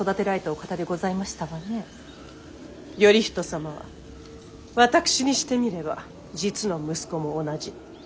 頼仁様は私にしてみれば実の息子も同じ。